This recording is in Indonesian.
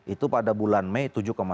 itu pada bulan mei tujuh satu